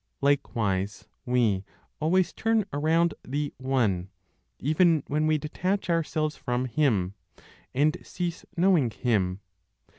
Likewise, we always turn around the One, even when we detach ourselves from Him, and cease knowing Him.